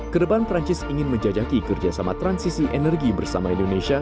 kedepan perancis ingin menjajaki kerjasama transisi energi bersama indonesia